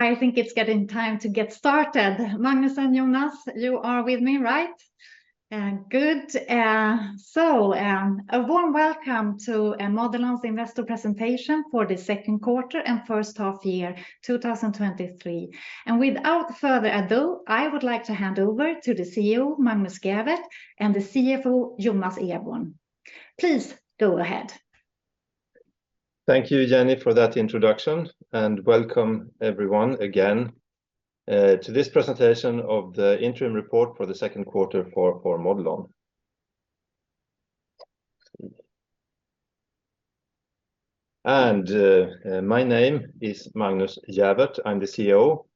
I think it's getting time to get started. Magnus and Jonas, you are with me, right? Good. So, a warm welcome to Modelon's investor presentation for the second quarter and first half year, 2023. Without further ado, I would like to hand over to the CEO, Magnus Gäfvert, and the CFO, Jonas Eborn. Please, go ahead. Thank you, Jenny, for that introduction, and welcome everyone, again, to this presentation of the interim report for the second quarter for, for Modelon. My name is Magnus Gäfvert. I'm the CEO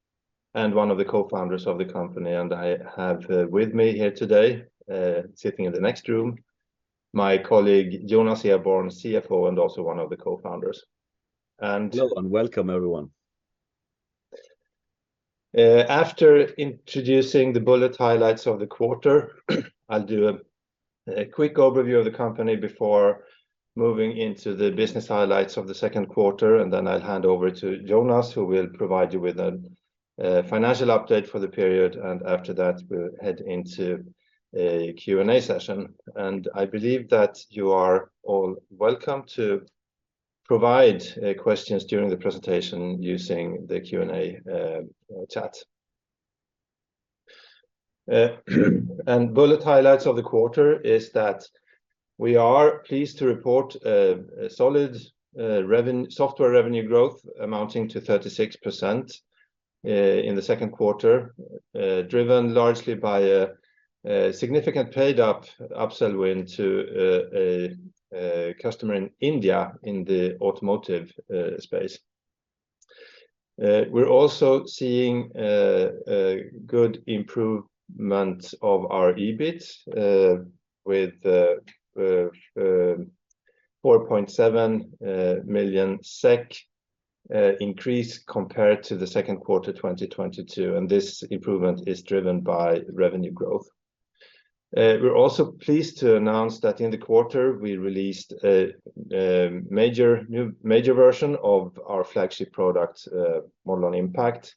and one of the co-founders of the company, and I have with me here today, sitting in the next room, my colleague, Jonas Eborn, CFO, and also one of the co-founders. Hello, and welcome everyone. After introducing the bullet highlights of the quarter, I'll do a quick overview of the company before moving into the business highlights of the second quarter, then I'll hand over to Jonas, who will provide you with a financial update for the period. After that, we'll head into a Q&A session. I believe that you are all welcome to provide questions during the presentation using the Q&A chat. Bullet highlights of the quarter is that we are pleased to report a solid software revenue growth amounting to 36% in the second quarter. Driven largely by a significant paid-up upsell win to a customer in India in the automotive space. We're also seeing a good improvement of our EBIT with 4.7 million SEK increase compared to the second quarter 2022. This improvement is driven by revenue growth. We're also pleased to announce that in the quarter, we released a major, new major version of our flagship product, Modelon Impact,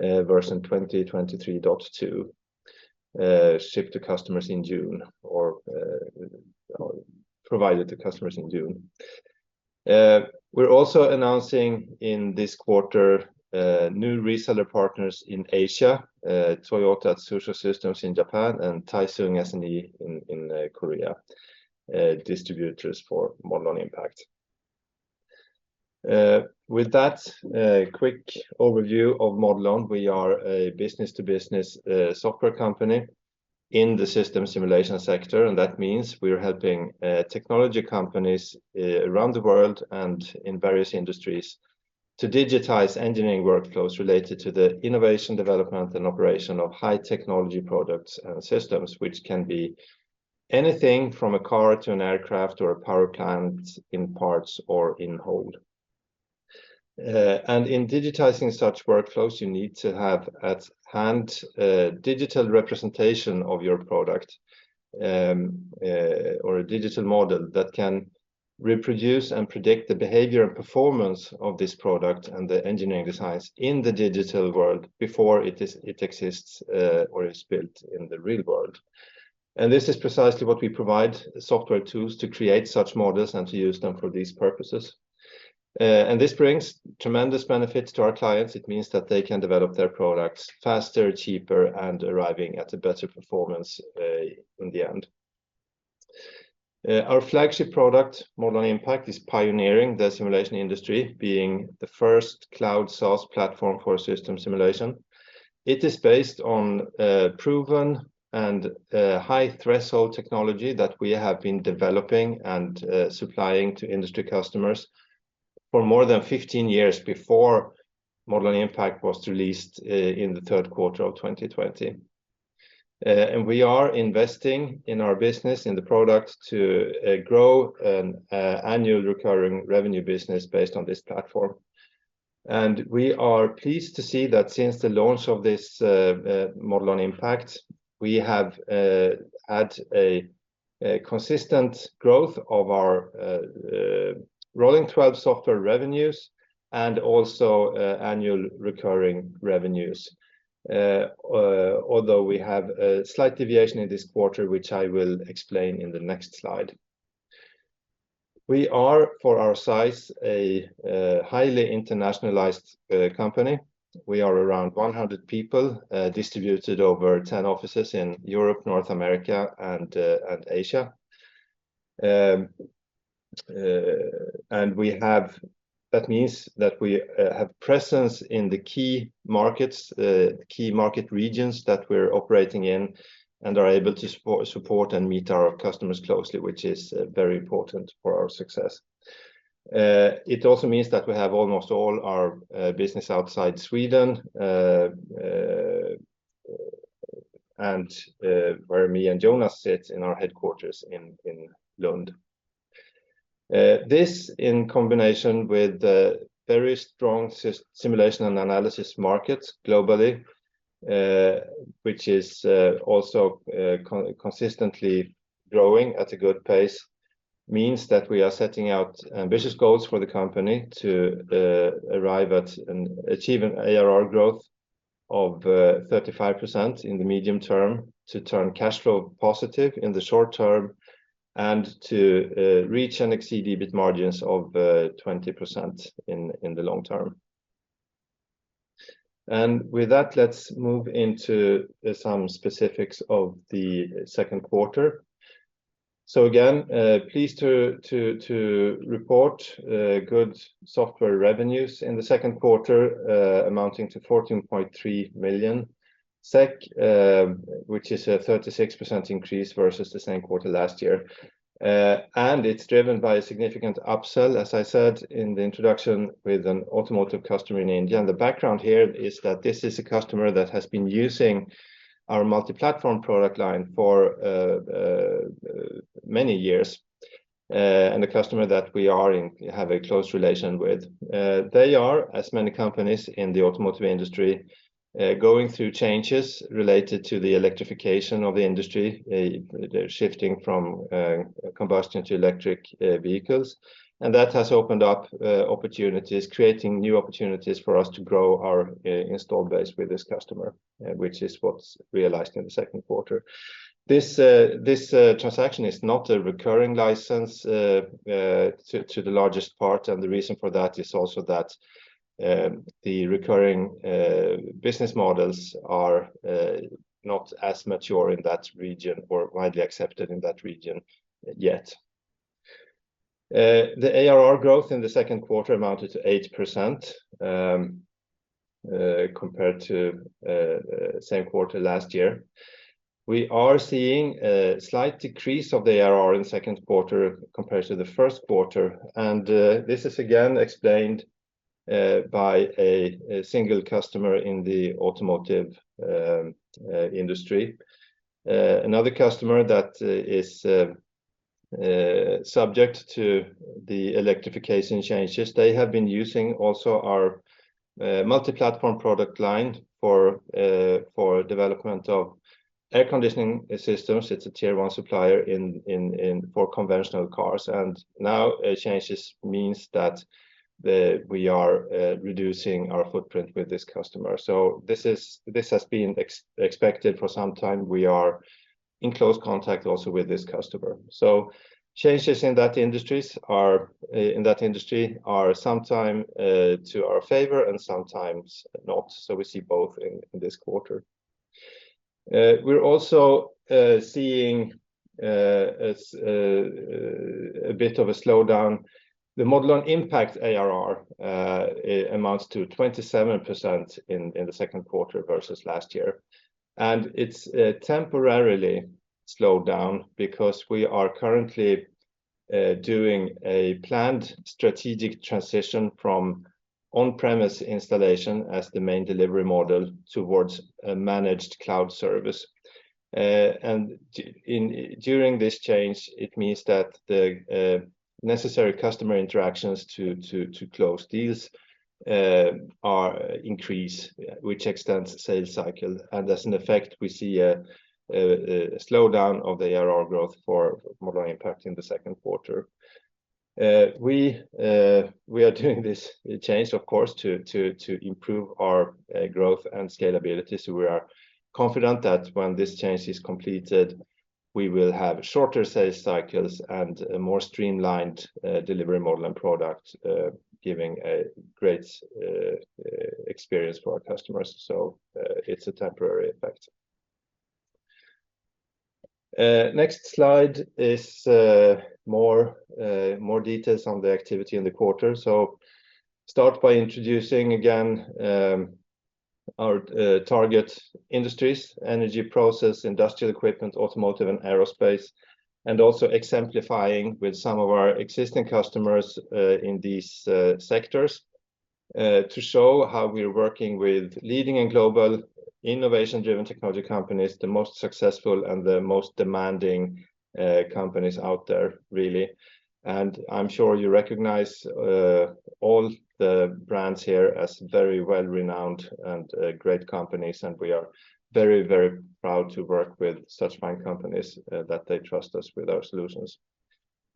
version 2023.2, shipped to customers in June, or provided to customers in June. We're also announcing in this quarter new reseller partners in Asia, Toyota Tsusho Systems in Japan and Taesung S&E in Korea, distributors for Modelon Impact. With that, a quick overview of Modelon. We are a business-to-business software company in the system simulation sector, and that means we're helping technology companies around the world and in various industries, to digitize engineering workflows related to the innovation, development, and operation of high technology products and systems, which can be anything from a car to an aircraft or a power plant, in parts or in whole. In digitizing such workflows, you need to have at hand, a digital representation of your product, or a digital model that can reproduce and predict the behavior and performance of this product and the engineering designs in the digital world before it exists or is built in the real world. This is precisely what we provide, software tools to create such models and to use them for these purposes. This brings tremendous benefits to our clients. It means that they can develop their products faster, cheaper, and arriving at a better performance in the end. Our flagship product, Modelon Impact, is pioneering the simulation industry, being the first cloud SaaS platform for system simulation. It is based on proven and high-threshold technology that we have been developing and supplying to industry customers for more than 15 years before Modelon Impact was released in the third quarter of 2020. We are investing in our business, in the product, to grow an annual recurring revenue business based on this platform. We are pleased to see that since the launch of this Modelon Impact, we have had a consistent growth of our rolling 12 software revenues and also annual recurring revenues. Although we have a slight deviation in this quarter, which I will explain in the next slide. We are, for our size, a highly internationalized company. We are around 100 people, distributed over 10 offices in Europe, North America, and Asia. That means that we have presence in the key markets, key market regions that we're operating in and are able to support and meet our customers closely, which is very important for our success. It also means that we have almost all our business outside Sweden, and where me and Jonas sit in our headquarters in Lund. This, in combination with the very strong simulation and analysis markets globally, which is also consistently growing at a good pace means that we are setting out ambitious goals for the company to arrive at and achieve an ARR growth of 35% in the medium term, to turn cash flow positive in the short term, and to reach and exceed EBIT margins of 20% in the long term. With that, let's move into some specifics of the second quarter. Again, pleased to report good software revenues in the second quarter, amounting to 14.3 million SEK, which is a 36% increase versus the same quarter last year. It's driven by a significant upsell, as I said in the introduction, with an automotive customer in India. The background here is that this is a customer that has been using our multi-platform product line for many years, and a customer that we have a close relation with. They are, as many companies in the automotive industry, going through changes related to the electrification of the industry. They're shifting from combustion to electric vehicles, and that has opened up opportunities, creating new opportunities for us to grow our install base with this customer, which is what's realized in the second quarter. This, this transaction is not a recurring license to the largest part, and the reason for that is also that the recurring business models are not as mature in that region or widely accepted in that region yet. The ARR growth in the second quarter amounted to 8% compared to same quarter last year. We are seeing a slight decrease of the ARR in the second quarter compared to the first quarter, and this is again explained by a single customer in the automotive industry. Another customer that is subject to the electrification changes, they have been using also our multi-platform product line for development of air conditioning systems. It's a Tier 1 supplier for conventional cars, and now changes means that we are reducing our footprint with this customer. This has been expected for some time. We are in close contact also with this customer. Changes in that industry are sometimes to our favor and sometimes not. We're also seeing a bit of a slowdown. The Modelon Impact ARR amounts to 27% in the second quarter versus last year. It's temporarily slowed down because we are currently doing a planned strategic transition from on-premises installation as the main delivery model towards a managed cloud service. During this change, it means that the necessary customer interactions to close deals are increased, which extends the sales cycle. As an effect, we see a slowdown of the ARR growth for Modelon Impact in the second quarter. We are doing this change, of course, to, to, to improve our growth and scalability. We are confident that when this change is completed, we will have shorter sales cycles and a more streamlined delivery model and product, giving a great experience for our customers. It's a temporary effect. Next slide is more details on the activity in the quarter. Start by introducing again our target industries, energy, process, industrial equipment, automotive, and aerospace, and also exemplifying with some of our existing customers in these sectors to show how we're working with leading and global innovation-driven technology companies, the most successful and the most demanding companies out there, really. I'm sure you recognize all the brands here as very well-renowned and great companies, and we are very, very proud to work with such fine companies that they trust us with our solutions.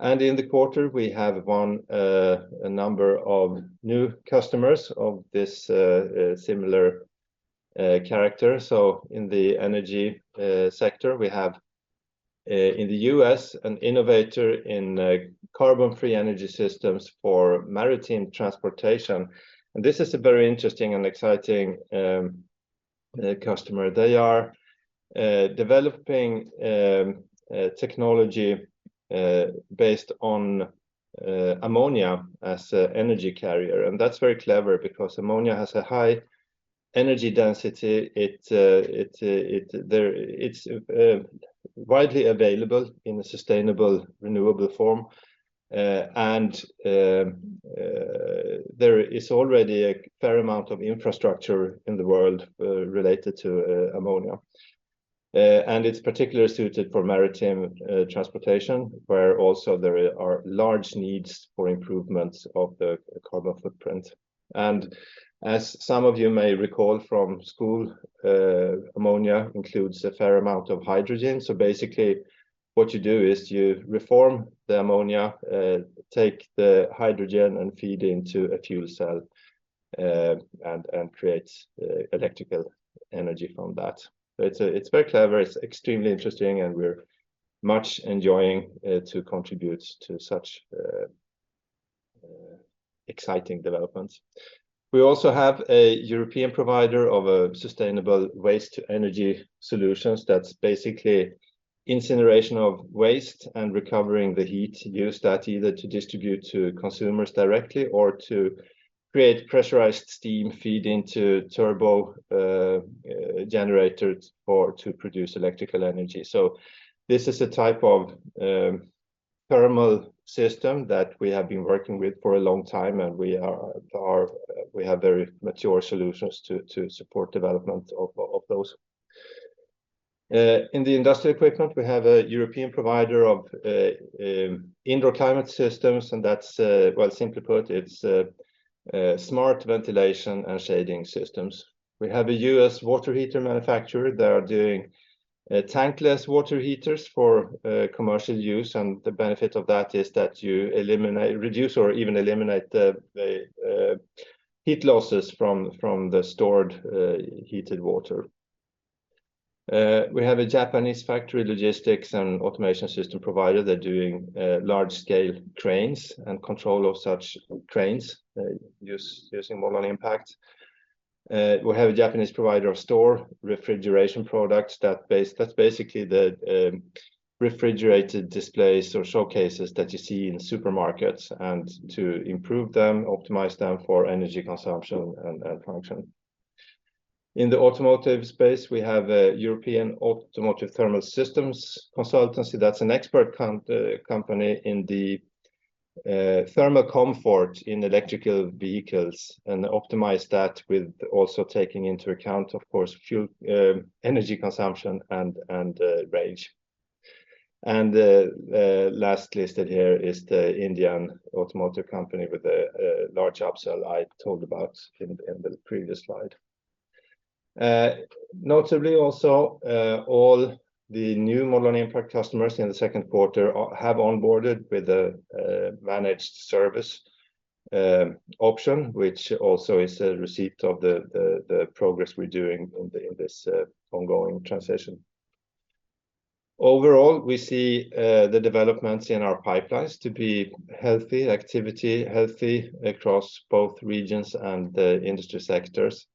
In the quarter, we have won a number of new customers of this similar character. In the energy sector, we have in the U.S., an innovator in carbon-free energy systems for maritime transportation, and this is a very interesting and exciting customer. They are developing technology based on ammonia as a energy carrier. That's very clever because ammonia has a high energy density. It, it, it, it's widely available in a sustainable, renewable form. There is already a fair amount of infrastructure in the world related to ammonia. It's particularly suited for maritime transportation, where also there are large needs for improvements of the carbon footprint. As some of you may recall from school, ammonia includes a fair amount of hydrogen. Basically, what you do is you reform the ammonia, take the hydrogen, and feed into a fuel cell. Create electrical energy from that. It's very clever, it's extremely interesting, and we're much enjoying to contribute to such exciting developments. We also have a European provider of, sustainable waste-to-energy solutions that's basically incineration of waste and recovering the heat, use that either to distribute to consumers directly or to create pressurized steam feed into turbogenerators or to produce electrical energy. So this is a type of, thermal system that we have been working with for a long time, and we are, we have very mature solutions to, to support development of, of those. In the industrial equipment, we have a European provider of, indoor climate systems, and that's, well, simply put, it's, smart ventilation and shading systems. We have a U.S. water heater manufacturer that are doing tankless water heaters for commercial use, and the benefit of that is that you reduce or even eliminate the heat losses from, from the stored heated water. We have a Japanese factory logistics and automation system provider. They're doing large-scale cranes and control of such cranes, using Modelon Impact. We have a Japanese provider of store refrigeration products that's basically the refrigerated displays or showcases that you see in supermarkets, and to improve them, optimize them for energy consumption and function. In the automotive space, we have a European automotive thermal systems consultancy that's an expert company in the thermal comfort in electrical vehicles, and optimize that with also taking into account, of course, fuel, energy consumption and range. Last listed here is the Indian automotive company with a large upsell I told about in the previous slide. Notably also, all the new Modelon Impact customers in the second quarter have onboarded with a managed service option, which also is a receipt of the progress we're doing in this ongoing transition. Overall, we see the developments in our pipelines to be healthy, activity healthy across both regions and the industry sectors.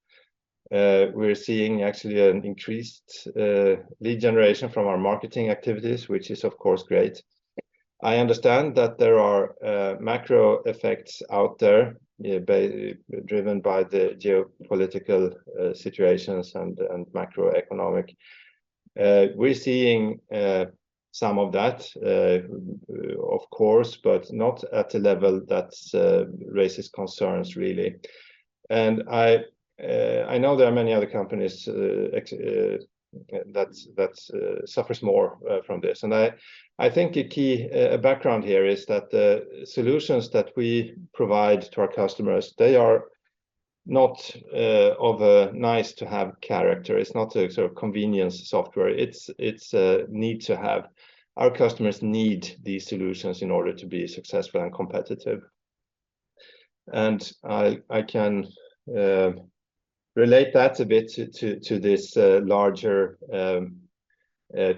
We're seeing actually an increased lead generation from our marketing activities, which is, of course, great. I understand that there are macro effects out there, driven by the geopolitical situations and macroeconomic. We're seeing some of that, of course, but not at a level that raises concerns really. I know there are many other companies, that's, that's, suffers more from this. I think a key background here is that the solutions that we provide to our customers, they are not of a nice-to-have character. It's not a sort of convenience software, it's, it's a need-to-have. Our customers need these solutions in order to be successful and competitive. I can relate that a bit to, to, to this larger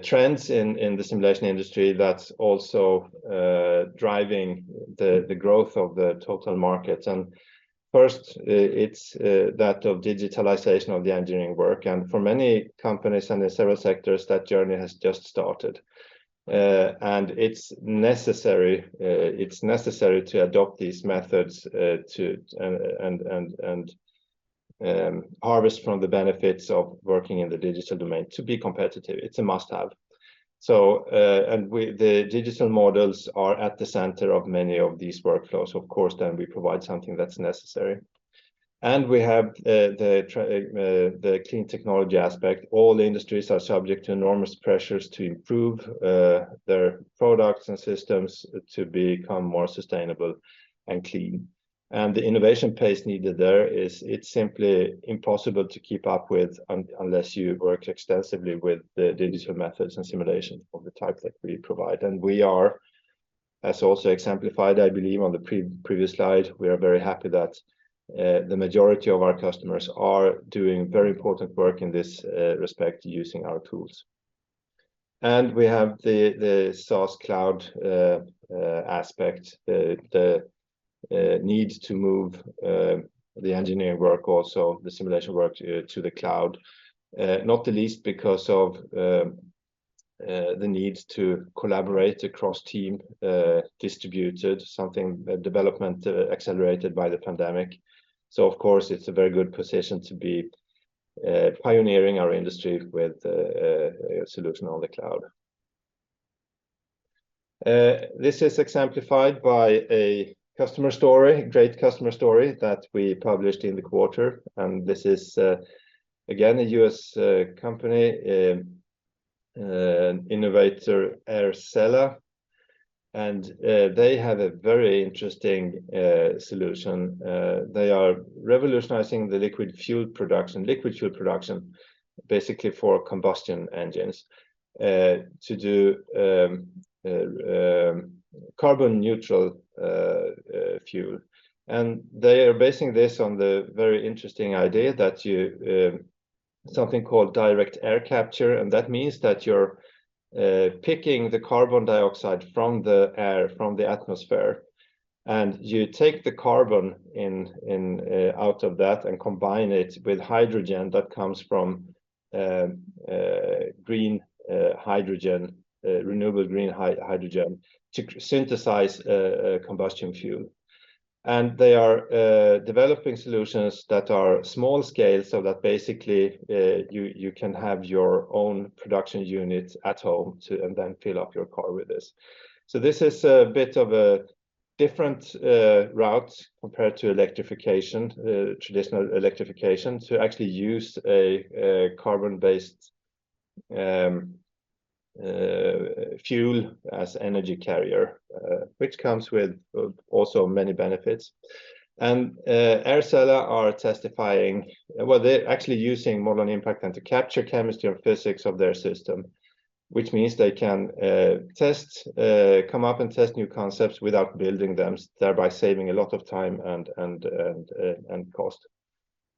trends in the simulation industry that's also driving the growth of the total market. First, it's that of digitalization of the engineering work, and for many companies and several sectors, that journey has just started. It's necessary, it's necessary to adopt these methods, to harvest from the benefits of working in the digital domain to be competitive. It's a must-have. The digital models are at the center of many of these workflows. Of course, then we provide something that's necessary. We have the clean technology aspect. All industries are subject to enormous pressures to improve their products and systems to become more sustainable and clean. The innovation pace needed there is it's simply impossible to keep up with unless you work extensively with the digital methods and simulations of the type that we provide. We are, as also exemplified, I believe, on the pre- previous slide, we are very happy that the majority of our customers are doing very important work in this respect using our tools. We have the SaaS cloud aspect, the need to move the engineering work, also the simulation work, to the cloud. Not the least because of the need to collaborate across team distributed, something development accelerated by the pandemic. Of course, it's a very good position to be pioneering our industry with a solution on the cloud. This is exemplified by a customer story, great customer story that we published in the quarter, and this is again, a U.S. company, innovator Aircela, and they have a very interesting solution. They are revolutionizing the liquid fuel production, liquid fuel production, basically for combustion engines to do carbon neutral fuel. They are basing this on the very interesting idea that you something called direct air capture, and that means that you're picking the carbon dioxide from the air, from the atmosphere, and you take the carbon in out of that and combine it with hydrogen that comes from green hydrogen, renewable green hydrogen to synthesize combustion fuel. They are developing solutions that are small scale, so that basically, you, you can have your own production unit at home to and then fill up your car with this. This is a bit of a different route compared to electrification, traditional electrification, to actually use a carbon-based fuel as energy carrier, which comes with also many benefits. Aircela are testifying. Well, they're actually using Modelon Impact to capture chemistry and physics of their system, which means they can test, come up and test new concepts without building them, thereby saving a lot of time and cost.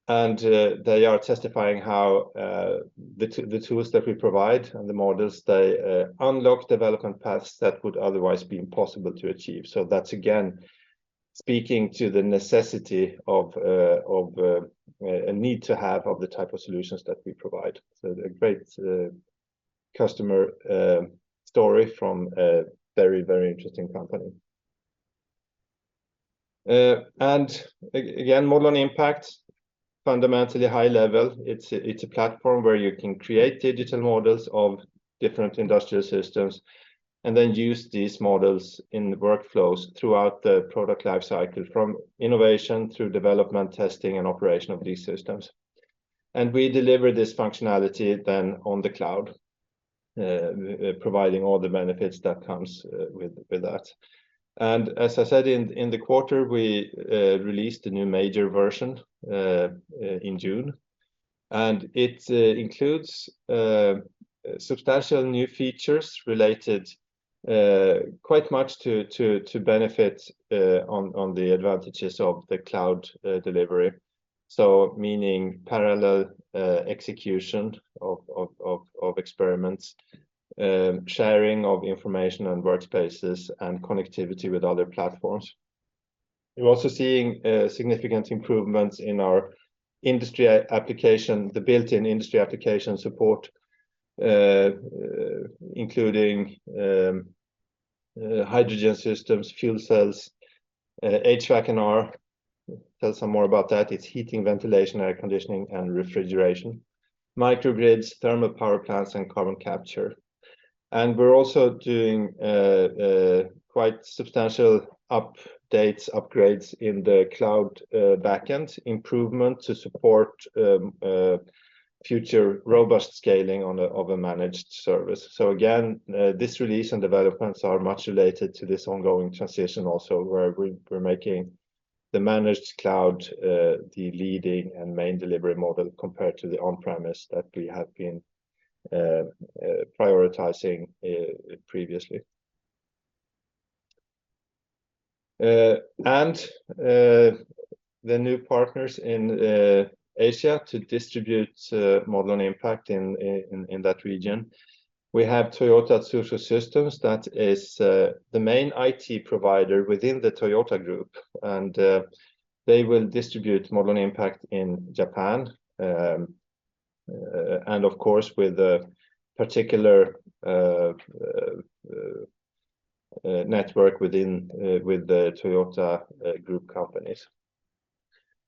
They are testifying how the tools that we provide and the models, they unlock development paths that would otherwise be impossible to achieve. That's, again, speaking to the necessity of a need to have of the type of solutions that we provide. A great customer story from a very, very interesting company. Again, Modelon Impact, fundamentally high level. It's a platform where you can create digital models of different industrial systems and then use these models in the workflows throughout the product life cycle, from innovation through development, testing, and operation of these systems. We deliver this functionality then on the cloud, providing all the benefits that comes with that. As I said, in the quarter, we released a new major version in June, and it includes substantial new features related quite much to benefit on the advantages of the cloud delivery. Meaning parallel execution of experiments, sharing of information and workspaces, and connectivity with other platforms. We're also seeing significant improvements in our industry application, the built-in industry application support, including hydrogen systems, fuel cells, HVAC&R. Tell some more about that. It's heating, ventilation, air conditioning, and refrigeration. Microgrids, thermal power plants, and carbon capture. We're also doing quite substantial updates, upgrades in the cloud, backend improvement to support future robust scaling on a, of a managed service. Again, this release and developments are much related to this ongoing transition also, where we're making the managed cloud the leading and main delivery model compared to the on-premises that we have been prioritizing previously. The new partners in Asia to distribute Modelon Impact in that region. We have Toyota Tsusho Systems, that is the main IT provider within the Toyota Group, and they will distribute Modelon Impact in Japan, and of course, with a particular network within with the Toyota Group companies.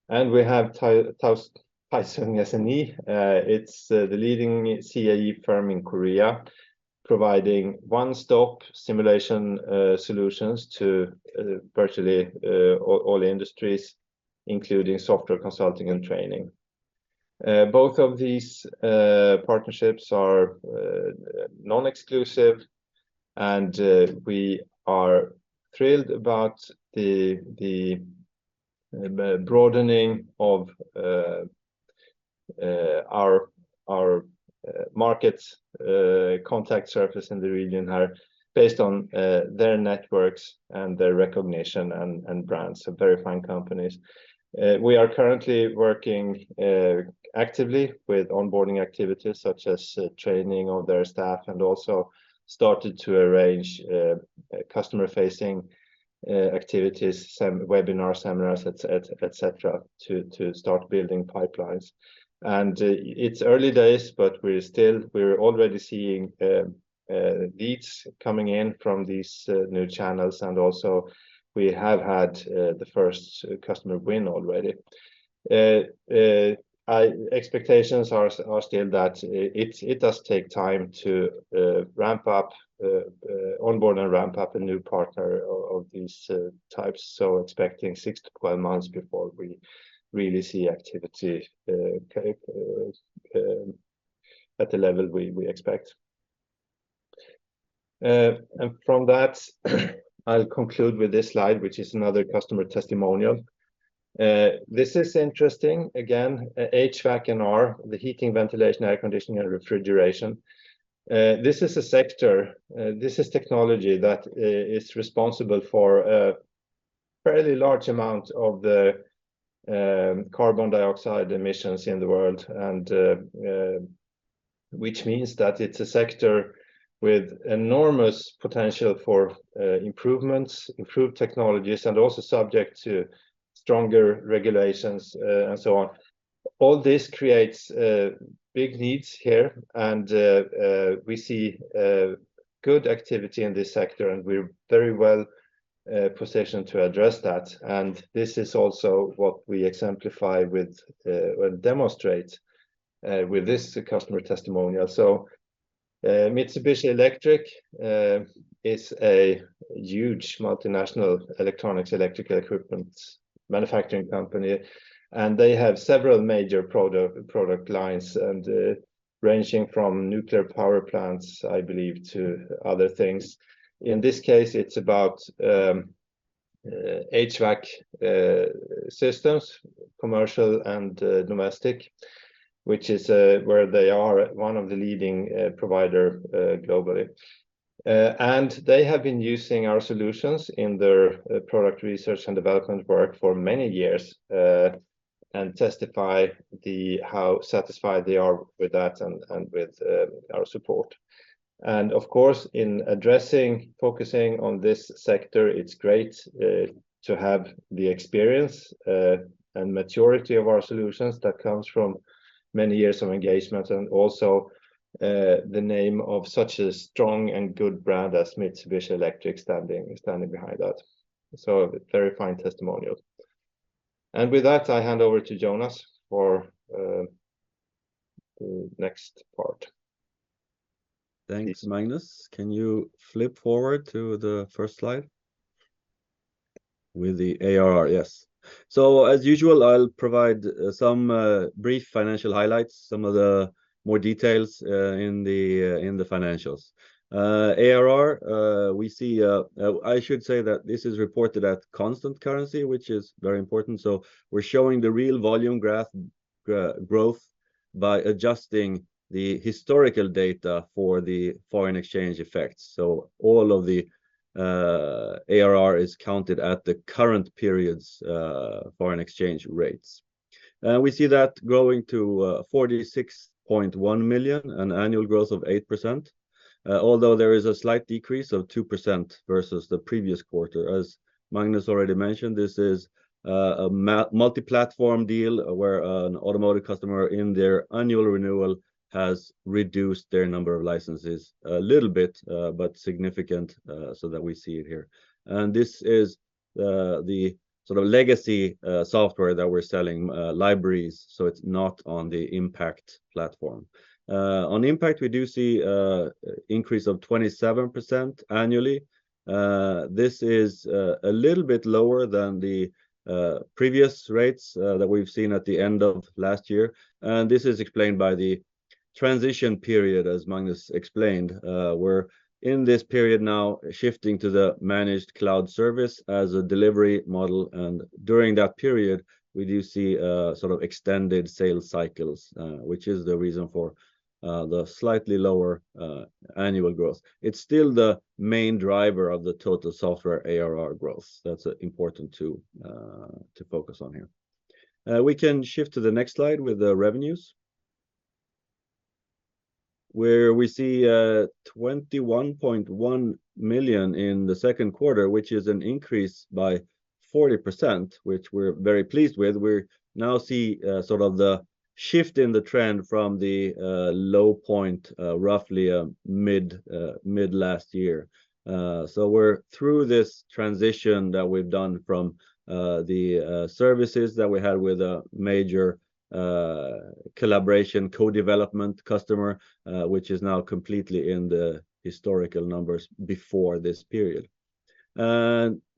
We have Taesung S&E. It's the leading CAE firm in Korea, providing one-stop simulation solutions to virtually all industries, including software consulting and training. Both of these partnerships are non-exclusive, and we are thrilled about the broadening of our markets, contact surface in the region are based on their networks and their recognition and brands. Very fine companies. We are currently working actively with onboarding activities such as training of their staff, and also started to arrange customer-facing activities, webinars, seminars, et cetera, to start building pipelines. It's early days, but we're already seeing leads coming in from these new channels, and also we have had the first customer win already. Expectations are still that it does take time to ramp up, onboard and ramp up a new partner of these types. Expecting six to 12 months before we really see activity at the level we expect. From that, I'll conclude with this slide, which is another customer testimonial. This is interesting. HVAC&R, the heating, ventilation, air conditioning, and refrigeration. This is a sector, this is technology that is responsible for a fairly large amount of the carbon dioxide emissions in the world, which means that it's a sector with enormous potential for improvements, improved technologies, and also subject to stronger regulations, and so on. All this creates big needs here, we see good activity in this sector, and we're very well positioned to address that. This is also what we exemplify with, well, demonstrate with this customer testimonial. Mitsubishi Electric is a huge multinational electronics, electrical equipment manufacturing company, and they have several major product, product lines ranging from nuclear power plants, I believe, to other things. In this case, it's about HVAC systems, commercial and domestic, which is where they are one of the leading provider globally. They have been using our solutions in their product research and development work for many years, and testify how satisfied they are with that and with our support. Of course, in addressing, focusing on this sector, it's great to have the experience and maturity of our solutions that comes from many years of engagement and also the name of such a strong and good brand as Mitsubishi Electric standing, standing behind that. A very fine testimonial. With that, I hand over to Jonas for the next part. Thanks, Magnus. Can you flip forward to the first slide? With the ARR, yes. As usual, I'll provide some brief financial highlights, some of the more details in the financials. ARR, I should say that this is reported at constant currency, which is very important. We're showing the real volume graph growth by adjusting the historical data for the foreign exchange effects. All of the ARR is counted at the current period's foreign exchange rates. We see that growing to 46.1 million, an annual growth of 8%, although there is a slight decrease of 2% versus the previous quarter. As Magnus already mentioned, this is a multi-platform deal where an automotive customer, in their annual renewal, has reduced their number of licenses a little bit, but significant, so that we see it here. This is the sort of legacy software that we're selling, libraries, so it's not on the Impact platform. On Impact, we do see increase of 27% annually. This is a little bit lower than the previous rates that we've seen at the end of last year, this is explained by the transition period, as Magnus explained. We're in this period now, shifting to the managed cloud service as a delivery model, during that period, we do see sort of extended sales cycles, which is the reason for the slightly lower annual growth. It's still the main driver of the total software ARR growth. That's important to focus on here. We can shift to the next slide with the revenues, where we see 21.1 million in the second quarter, which is an increase by 40%, which we're very pleased with. We're now see sort of the shift in the trend from the low point, roughly mid last year. So we're through this transition that we've done from the services that we had with a major collaboration, co-development customer, which is now completely in the historical numbers before this period. The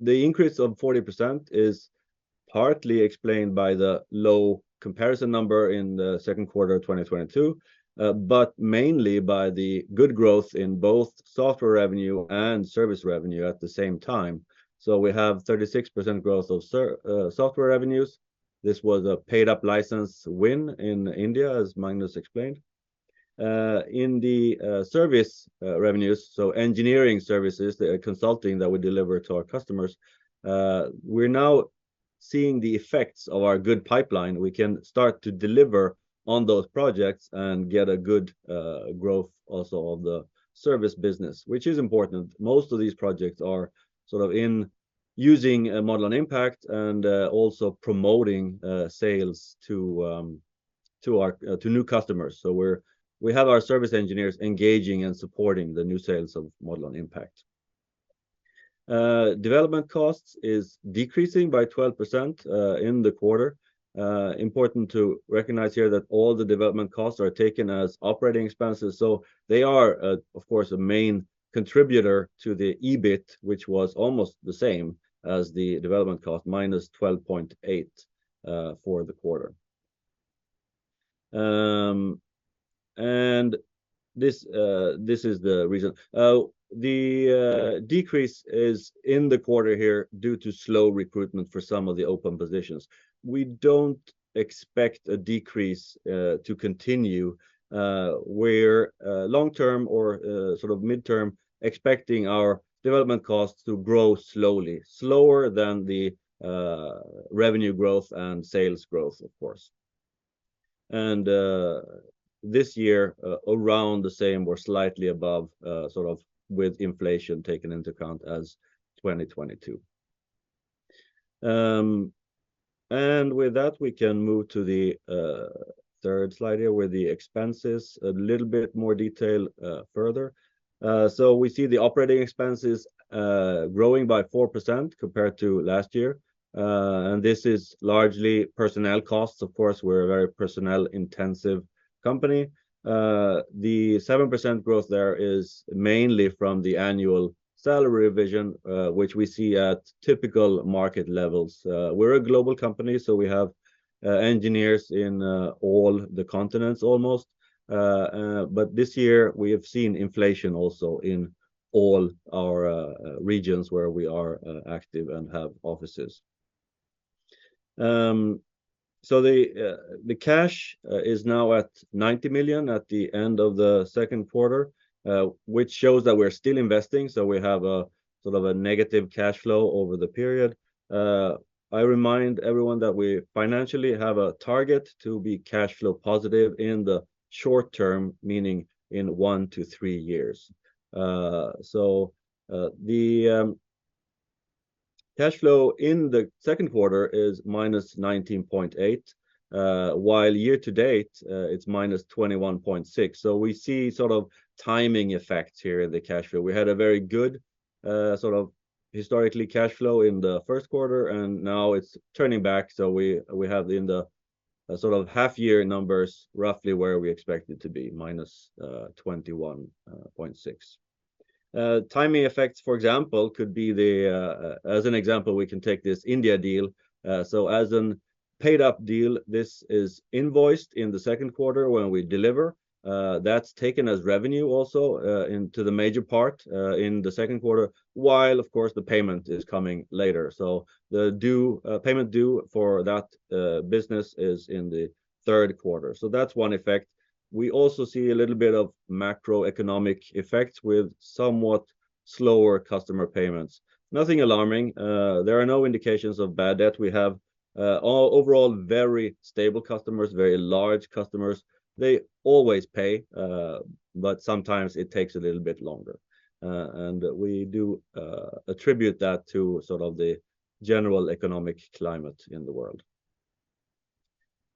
increase of 40% is partly explained by the low comparison number in the second quarter of 2022, but mainly by the good growth in both software revenue and service revenue at the same time. We have 36% growth of software revenues. This was a paid-up license win in India, as Magnus explained. In the service revenues, so engineering services, the consulting that we deliver to our customers, we're now seeing the effects of our good pipeline. We can start to deliver on those projects and get a good growth also of the service business, which is important. Most of these projects are sort of in using a Modelon Impact and also promoting sales to new customers. We have our service engineers engaging and supporting the new sales of Modelon Impact. Development costs is decreasing by 12% in the quarter. Important to recognize here that all the development costs are taken as operating expenses, so they are, of course, a main contributor to the EBIT, which was almost the same as the development cost, -12.8 for the quarter. This is the reason. The decrease is in the quarter here due to slow recruitment for some of the open positions. We don't expect a decrease to continue, where long-term or sort of midterm, expecting our development costs to grow slowly, slower than the revenue growth and sales growth, of course. This year, around the same or slightly above, sort of with inflation taken into account as 2022. With that, we can move to the third slide here, where the expenses a little bit more detail further. We see the operating expenses growing by 4% compared to last year. This is largely personnel costs. Of course, we're a very personnel-intensive company. The 7% growth there is mainly from the annual salary revision, which we see at typical market levels. We're a global company, we have engineers in all the continents almost. This year we have seen inflation also in all our regions where we are active and have offices. The cash is now at 90 million at the end of the second quarter, which shows that we're still investing, so we have a sort of a negative cash flow over the period. I remind everyone that we financially have a target to be cash flow positive in the short term, meaning in one to three years. The cash flow in the second quarter is -19.8 million, while year-to-date, it's -21.6 million. We see sort of timing effects here in the cash flow. We had a very good, sort of historically cash flow in the first quarter, and now it's turning back. We have in the sort of half-year numbers, roughly where we expect it to be, -21.6 million. Timing effects, for example, could be the. As an example, we can take this India deal. As an paid-up deal, this is invoiced in the second quarter when we deliver. That's taken as revenue also, into the major part, in the second quarter, while, of course, the payment is coming later. The due payment due for that business is in the third quarter. That's one effect. We also see a little bit of macroeconomic effects with somewhat slower customer payments. Nothing alarming. There are no indications of bad debt. We have all overall very stable customers, very large customers. They always pay, but sometimes it takes a little bit longer. We do attribute that to sort of the general economic climate in the world.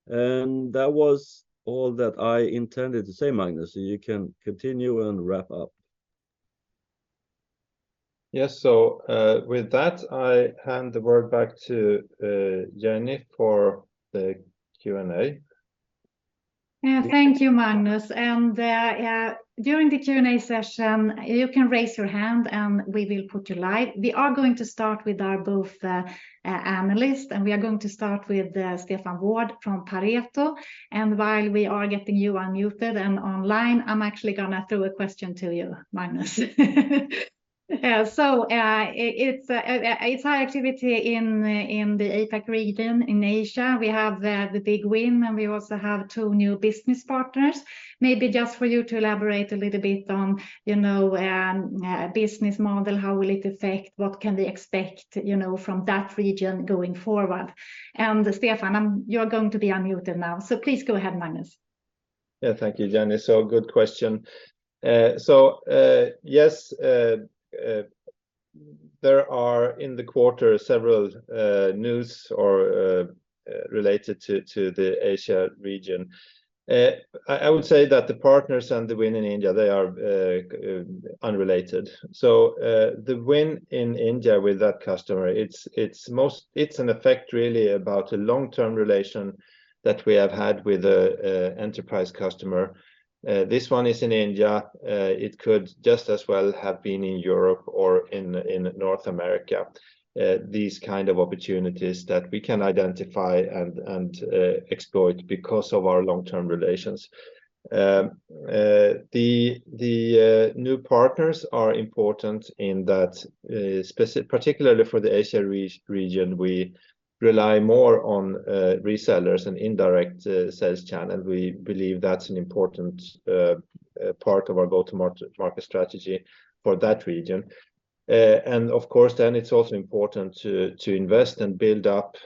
That was all that I intended to say, Magnus, so you can continue and wrap up. Yes. With that, I hand the word back to Jenny for the Q&A. Yeah, thank you, Magnus. Yeah, during the Q&A session, you can raise your hand, and we will put you live. We are going to start with our both analyst, and we are going to start with Stefan Wård from Pareto. While we are getting you unmuted and online, I'm actually gonna throw a question to you, Magnus. It's high activity in the APAC region, in Asia. We have the big win, and we also have two new business partners. Maybe just for you to elaborate a little bit on, you know, business model, how will it affect, what can we expect, you know, from that region going forward? Stefan, you're going to be unmuted now, so please go ahead, Magnus. Yeah, thank you, Jenny. Good question. Yes, there are, in the quarter, several news or related to the Asia region. I would say that the partners and the win in India, they are unrelated. The win in India with that customer, it's an effect really about a long-term relation that we have had with a enterprise customer. This one is in India. It could just as well have been in Europe or in North America. These kind of opportunities that we can identify and exploit because of our long-term relations. The new partners are important in that particularly for the Asia region, we rely more on resellers and indirect sales channel. We believe that's an important part of our go-to-market strategy for that region. Of course, then it's also important to invest and build up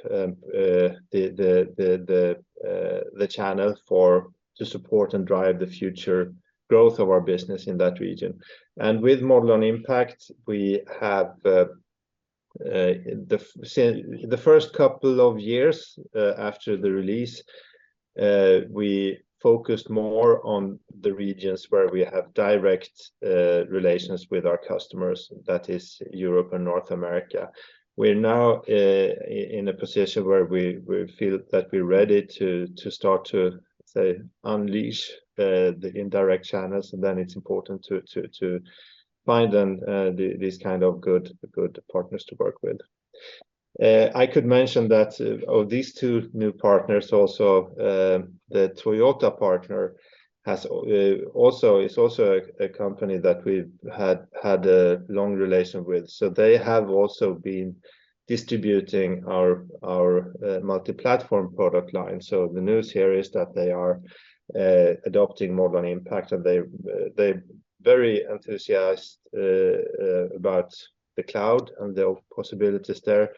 the channel for, to support and drive the future growth of our business in that region. With Modelon Impact, we have the first couple of years after the release, we focused more on the regions where we have direct relations with our customers, that is Europe and North America. We're now in a position where we feel that we're ready to start to say, unleash the indirect channels, and then it's important to find these kind of good partners to work with. I could mention that, of these two new partners also, the Toyota partner has also, is also a, a company that we've had, had a long relation with. They have also been distributing our, our, multi-platform product line. The news here is that they are adopting Modelon Impact, and they, they're very enthusiast about the cloud and the possibilities there.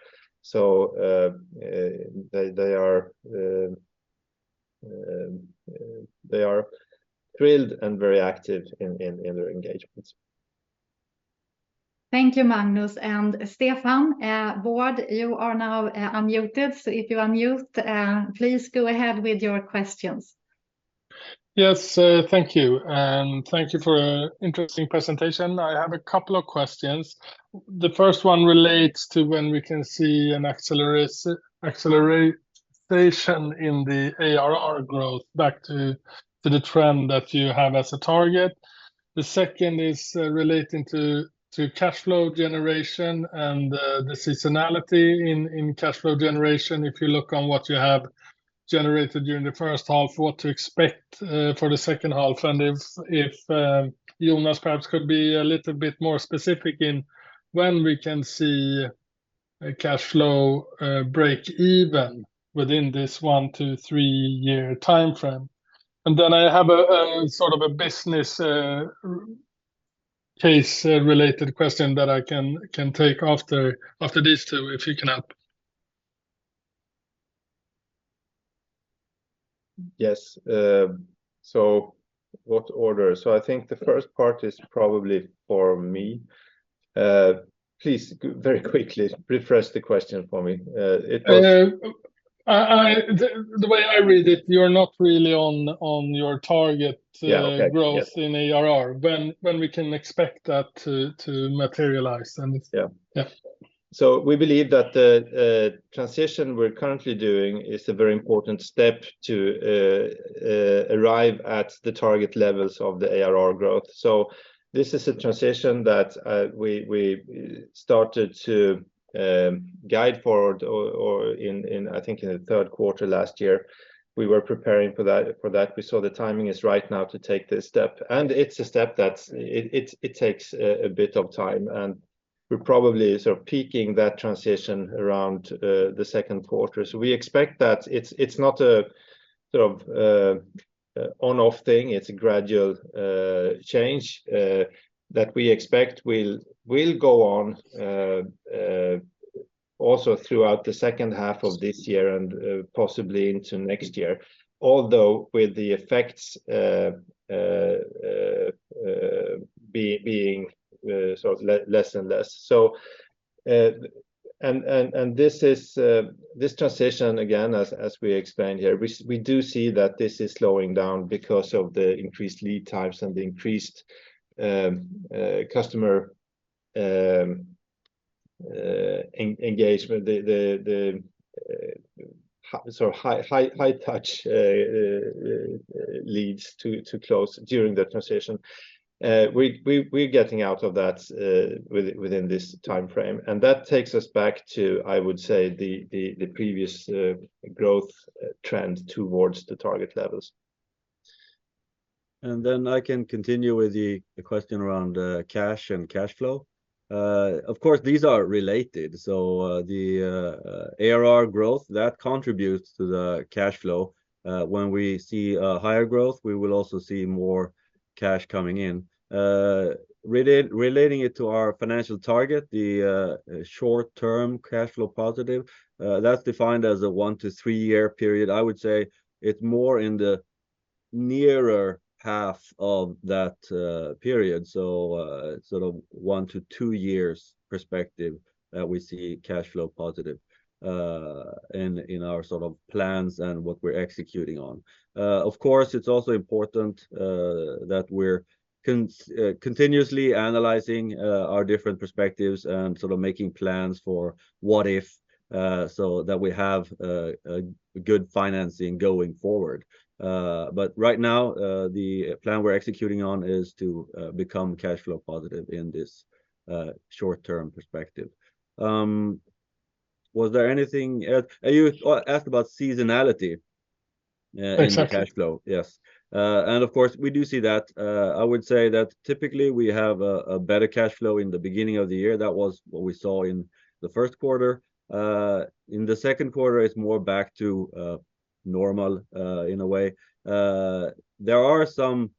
They, they are, they are thrilled and very active in, in, in their engagements. Thank you, Magnus and Stefan Wård, you are now unmuted, so if you unmute, please go ahead with your questions. Yes, thank you, and thank you for interesting presentation. I have a couple of questions. The first one relates to when we can see an acceleration in the ARR growth back to, to the trend that you have as a target. The second is relating to, to cash flow generation and the seasonality in, in cash flow generation. If you look on what you have generated during the first half, what to expect for the second half, and if, if, Jonas Eborn perhaps could be a little bit more specific in when we can see a cash flow break even within this one to three-year timeframe. Then I have a, sort of a business case-related question that I can, can take after, after these two, if you can help. Yes. So what order? I think the first part is probably for me. Please, very quickly rephrase the question for me. It was- the, the way I read it, you're not really on, on your target- Yeah. Okay.... growth in ARR, when, when we can expect that to, to materialize, and. Yeah. Yeah. We believe that the transition we're currently doing is a very important step to arrive at the target levels of the ARR growth. This is a transition that we, we started to guide forward or, or in, in, I think, in the third quarter last year. We were preparing for that, for that. We saw the timing is right now to take this step, and it's a step that's. It, it, it takes a bit of time, and we're probably sort of peaking that transition around the second quarter. We expect that it's, it's not a sort of on/off thing. It's a gradual change that we expect will, will go on also throughout the second half of this year and possibly into next year. With the effects, being, being, sort of less and less. And, and this is, this transition, again, as, as we explained here, we, we do see that this is slowing down because of the increased lead times and the increased customer engagement, the sort of high, high, high touch leads to, to close during the transition. We, we, we're getting out of that within this timeframe, and that takes us back to, I would say, the previous growth trend towards the target levels. I can continue with the question around cash and cash flow. Of course, these are related, so the ARR growth, that contributes to the cash flow. When we see a higher growth, we will also see more cash coming in. Relating it to our financial target, the short-term cash flow positive, that's defined as a one to three year period. I would say it's more in the nearer half of that period, so sort of one to two years perspective that we see cash flow positive in our sort of plans and what we're executing on. Of course, it's also important that we're continuously analyzing our different perspectives and sort of making plans for what if, so that we have a good financing going forward. Right now, the plan we're executing on is to become cash flow positive in this short-term perspective. Was there anything you asked about seasonality- Exactly... in the cash flow? Yes. Of course, we do see that. I would say that typically, we have a better cash flow in the beginning of the year. That was what we saw in the first quarter. In the second quarter, it's more back to normal in a way. There are some,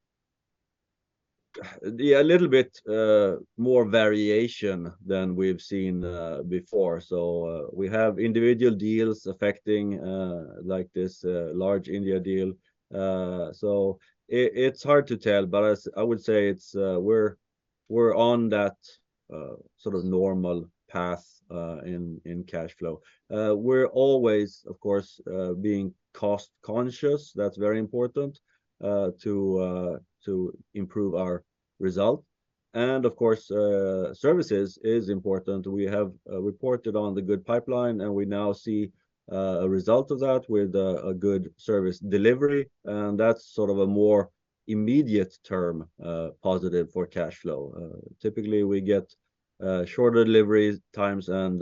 a little bit more variation than we've seen before. We have individual deals affecting like this large India deal. So it's hard to tell, but I would say it's, we're on that sort of normal path in cash flow. We're always, of course, being cost-conscious. That's very important to improve our result. Of course, services is important. We have reported on the good pipeline. We now see a result of that with a good service delivery, and that's sort of a more immediate term positive for cash flow. Typically, we get shorter delivery times and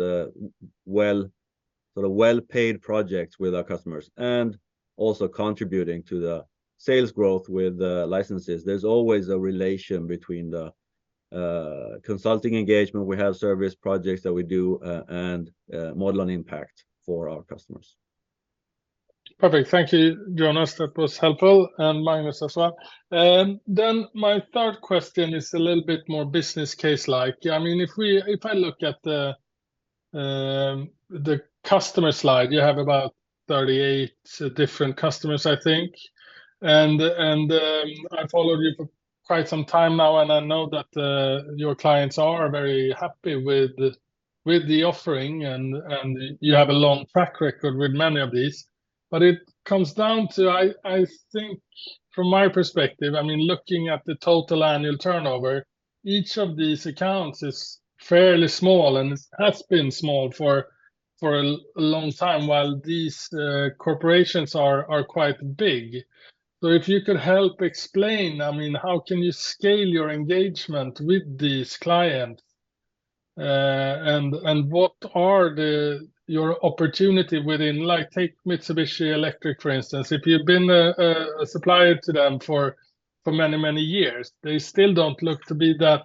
well-sort of well-paid projects with our customers, and also contributing to the sales growth with licenses. There's always a relation between the consulting engagement we have, service projects that we do, and Modelon Impact for our customers. Perfect. Thank you, Jonas. That was helpful, and Magnus as well. My third question is a little bit more business case like. I mean, if I look at the customer slide, you have about 38 different customers, I think. I've followed you for quite some time now, and I know that your clients are very happy with the offering, and you have a long track record with many of these. It comes down to, I, I think from my perspective, I mean, looking at the total annual turnover, each of these accounts is fairly small, and it has been small for a long time, while these corporations are quite big. If you could help explain, I mean, how can you scale your engagement with these clients? What are the, your opportunity within, like, take Mitsubishi Electric, for instance. If you've been a, a supplier to them for, for many, many years, they still don't look to be that,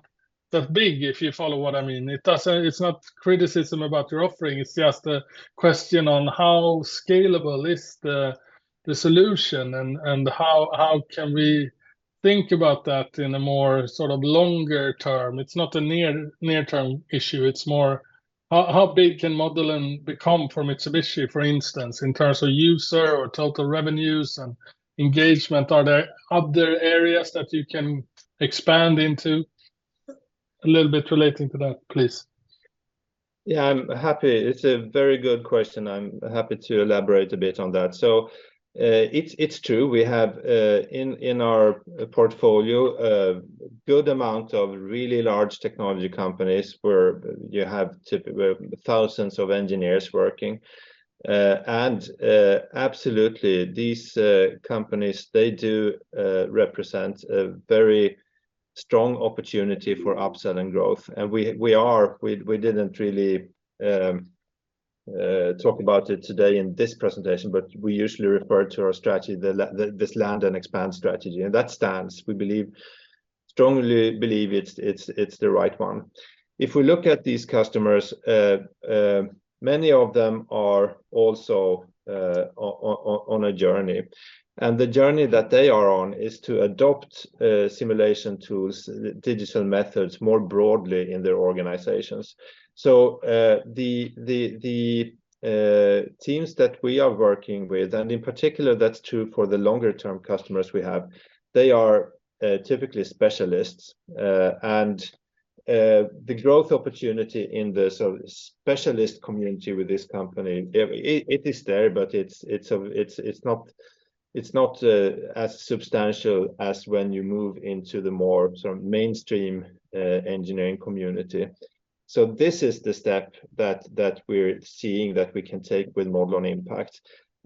that big, if you follow what I mean. It's not criticism about your offering, it's just a question on how scalable is the, the solution, and how, how can we think about that in a more sort of longer term? It's not a near, near-term issue, it's more how, how big can Modelon become from Mitsubishi, for instance, in terms of user or total revenues and engagement? Are there, are there areas that you can expand into? A little bit relating to that, please. Yeah, I'm happy. It's a very good question. I'm happy to elaborate a bit on that. It's true, we have in our portfolio, a good amount of really large technology companies, where you have thousands of engineers working. Absolutely, these companies, they do represent a very strong opportunity for upsell and growth. We didn't really talk about it today in this presentation, but we usually refer to our strategy, this land and expand strategy. That stands. We believe, strongly believe it's, it's, it's the right one. If we look at these customers, many of them are also on a journey, and the journey that they are on is to adopt simulation tools, digital methods, more broadly in their organizations. The teams that we are working with, and in particular, that's true for the longer-term customers we have, they are typically specialists. And the growth opportunity in the sort of specialist community with this company, it is there, but it's a, it's not as substantial as when you move into the more sort of mainstream engineering community. This is the step that we're seeing that we can take with Modelon Impact.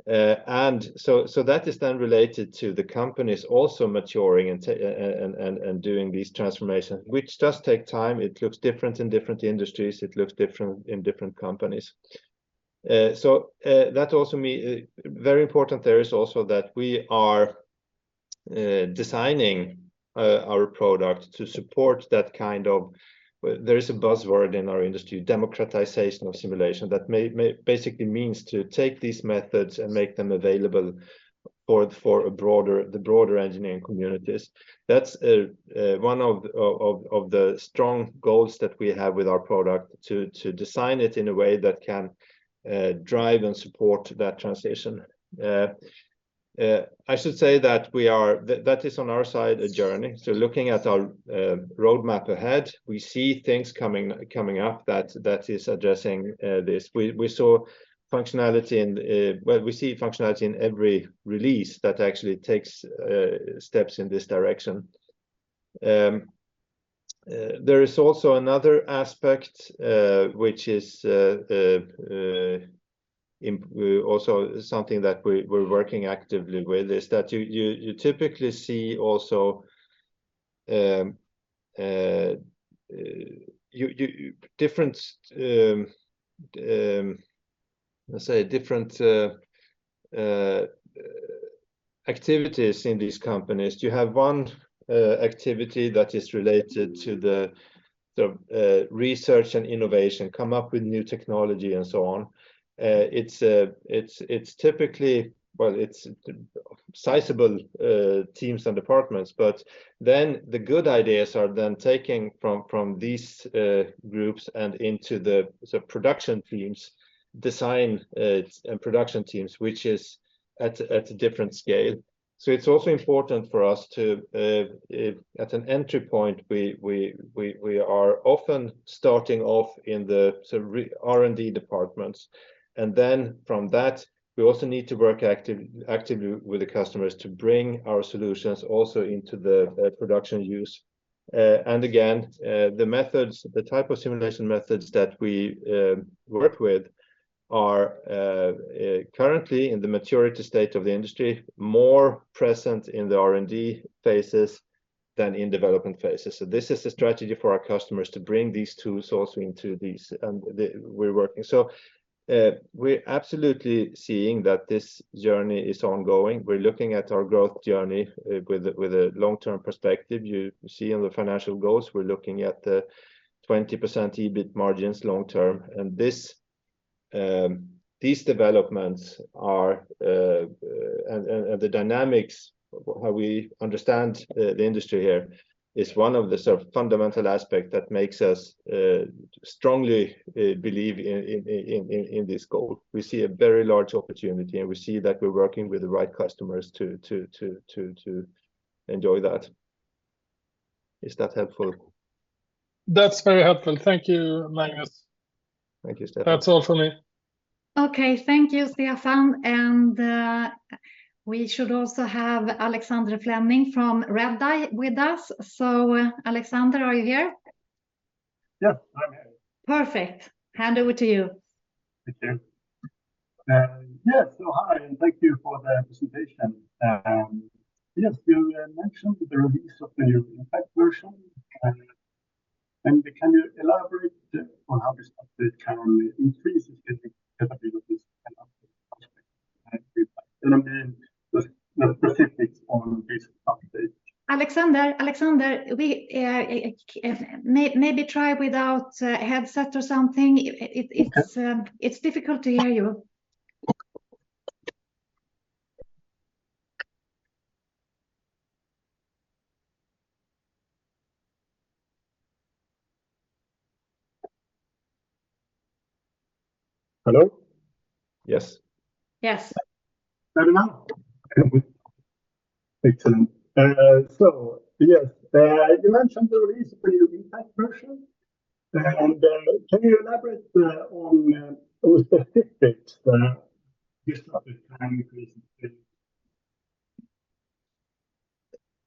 And so that is then related to the companies also maturing and doing these transformations, which does take time. It looks different in different industries. It looks different in different companies. So that also mean. Very important there is also that we are designing our product to support that kind of. There is a buzzword in our industry, democratization of simulation, that may, may, basically means to take these methods and make them available for, for a broader, the broader engineering communities. That's one of, of, of the strong goals that we have with our product, to design it in a way that can drive and support that transition. I should say that we are, that, that is on our side, a journey. Looking at our roadmap ahead, we see things coming, coming up that is addressing this. We, we saw functionality in, well, we see functionality in every release that actually takes steps in this direction. There is also another aspect, which is also something that we're working actively with, is that you, you, you typically see also, you, you, different, let's say, different activities in these companies. You have one activity that is related to the research and innovation, come up with new technology and so on. It's, it's typically, well, it's sizable teams and departments, but then the good ideas are then taking from, from these groups and into the production teams, design, and production teams, which is at, at a different scale. It's also important for us to at an entry point, we, we, we, we are often starting off in the sort of R&D departments, and then from that, we also need to work active, actively with the customers to bring our solutions also into the production use. Again, the methods, the type of simulation methods that we work with are currently in the maturity state of the industry, more present in the R&D phases than in development phases. This is a strategy for our customers to bring these tools also into these we're working. We're absolutely seeing that this journey is ongoing. We're looking at our growth journey with a long-term perspective. You see on the financial goals, we're looking at the 20% EBIT margins long term. This, these developments are, the dynamics, how we understand the industry here, is one of the sort of fundamental aspect that makes us strongly believe in this goal. We see a very large opportunity, and we see that we're working with the right customers to enjoy that. Is that helpful? That's very helpful. Thank you, Magnus. Thank you, Stefan. That's all for me. Okay. Thank you, Stefan, and, we should also have Alexander Flening from Redeye with us. Alexander, are you here? Yes, I'm here. Perfect. Hand over to you. Thank you. Yes, so hi, and thank you for the presentation. Yes, you mentioned the release of the new Impact version. Can you elaborate on how this update can increase the scaling capabilities and upsell prospects? I mean, the specifics on this update. Alexander, Alexander, we maybe try without headset or something. It's- Okay... it's difficult to hear you. Hello? Yes. Yes. Fair enough. Excellent. Yes, you mentioned the release of the new Impact version, can you elaborate on what the specific this update can increase the...?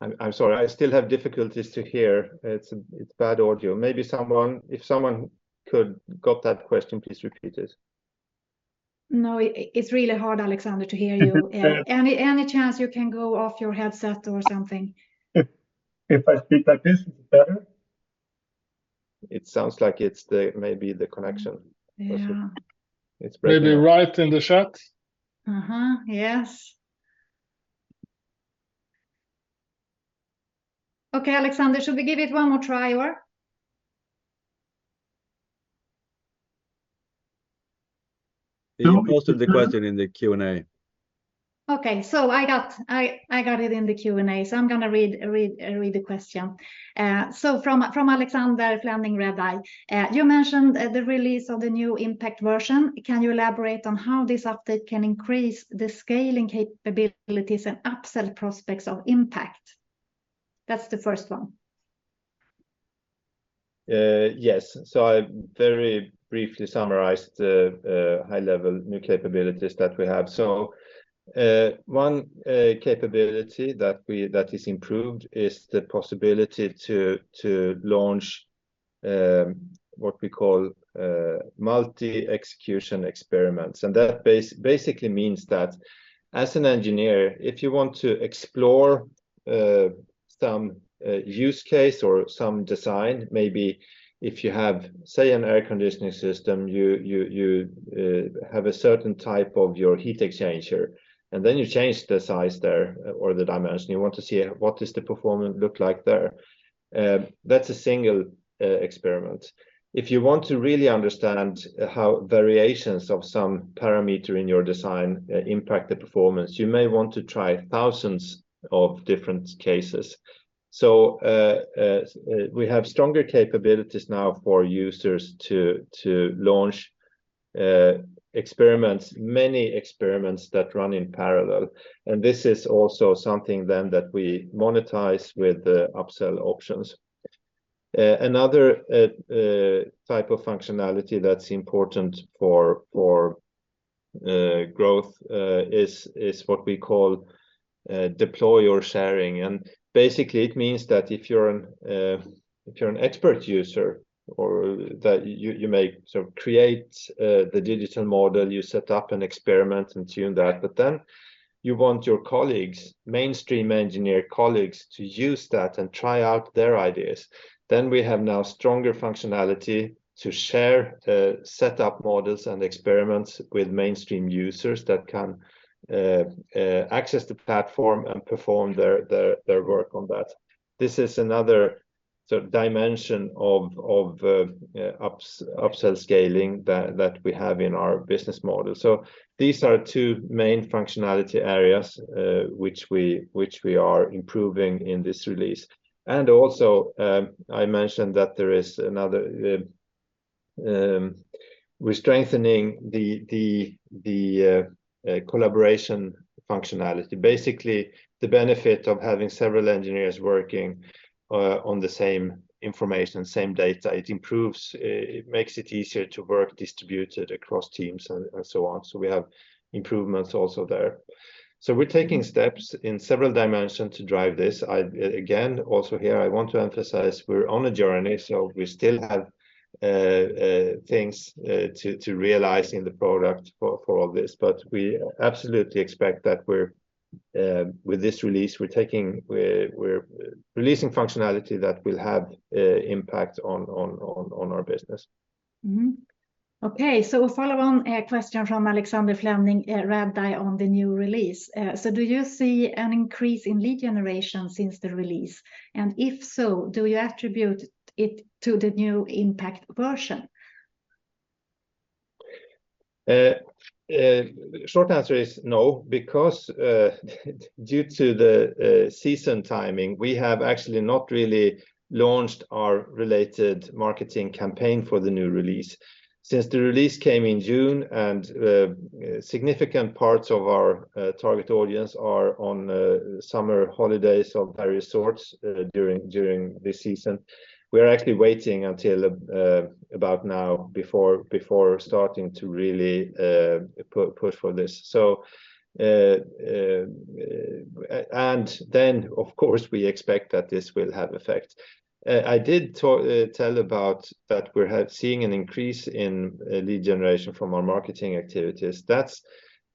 I'm, I'm sorry, I still have difficulties to hear. It's, it's bad audio. Maybe someone, if someone could got that question, please repeat it. No, it, it's really hard, Alexander, to hear you. Yeah. Any, any chance you can go off your headset or something? If I speak like this, is it better? It sounds like it's the, maybe the connection. Yeah. It's pretty- Maybe write in the chat. Uh-huh. Yes. Okay, Alexander, should we give it one more try or? He posted the question in the Q&A. Okay. I got it in the Q&A, so I'm gonna read the question. From Alexander Flening, Redeye, you mentioned the release of the new Impact version. Can you elaborate on how this update can increase the scaling capabilities and upsell prospects of Impact? That's the first one. Yes. I very briefly summarized the high-level new capabilities that we have. One capability that we, that is improved is the possibility to launch what we call multi-execution experiments. That basically means that as an engineer, if you want to explore some use case or some design, maybe if you have, say, an air conditioning system, you, you, you have a certain type of your heat exchanger, and then you change the size there or the dimension. You want to see, what does the performance look like there? That's a single experiment. If you want to really understand how variations of some parameter in your design impact the performance, you may want to try thousands of different cases. We have stronger capabilities now for users to, to launch experiments, many experiments that run in parallel, and this is also something then that we monetize with the upsell options. Another type of functionality that's important for, for growth, is what we call deploy or sharing. Basically, it means that if you're an expert user or that you, you may sort of create the digital model, you set up an experiment and tune that, but then you want your colleagues, mainstream engineer colleagues, to use that and try out their ideas. We have now stronger functionality to share set-up models and experiments with mainstream users that can access the platform and perform their work on that. This is another sort of dimension of, of ups- upsell scaling that, that we have in our business model. These are two main functionality areas, which we, which we are improving in this release. Also, I mentioned that there is another, we're strengthening the, the, the collaboration functionality. Basically, the benefit of having several engineers working on the same information, same data, it improves, it makes it easier to work distributed across teams and, and so on. We have improvements also there. We're taking steps in several dimensions to drive this. I, again, also here, I want to emphasize we're on a journey, so we still have things to realize in the product for, for all this. We absolutely expect that we're, with this release, we're releasing functionality that will have impact on our business. Okay, a follow-on question from Alexander Flening, Redeye on the new release. Do you see an increase in lead generation since the release? If so, do you attribute it to the new Impact version? Short answer is no, because due to the season timing, we have actually not really launched our related marketing campaign for the new release. Since the release came in June and significant parts of our target audience are on summer holidays of various sorts, during, during this season, we are actually waiting until about now before, before starting to really, push for this. Then, of course, we expect that this will have effect. I did talk, tell about that we're seeing an increase in lead generation from our marketing activities. That's,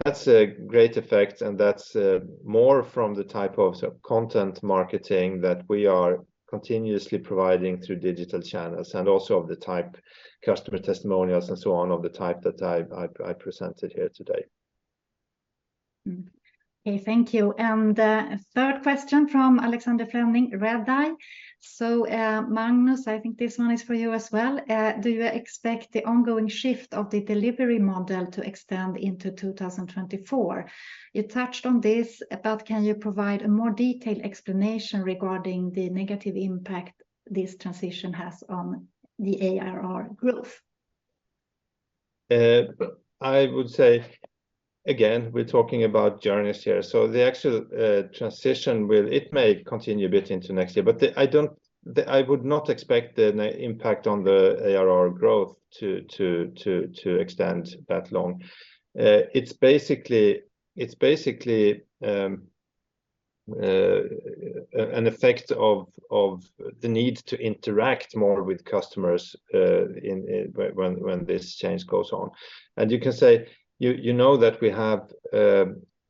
that's a great effect, and that's more from the type of sort of content marketing that we are continuously providing through digital channels, and also of the type customer testimonials and so on, of the type that I, I, I presented here today. Mm-hmm. Okay, thank you. Third question from Alexander Flening, Redeye. Magnus, I think this one is for you as well. Do you expect the ongoing shift of the delivery model to extend into 2024? You touched on this, but can you provide a more detailed explanation regarding the negative impact this transition has on the ARR growth? I would say, again, we're talking about journeys here. The actual transition will... It may continue a bit into next year, but I would not expect an impact on the ARR growth to extend that long. It's basically an effect of the need to interact more with customers when this change goes on. You know that we have